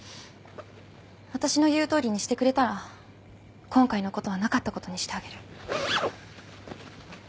私の言うとおりにしてくれたら今回のことはなかったことにしてあげる。